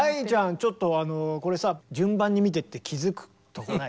ちょっとこれさ順番に見てって気付くとこない？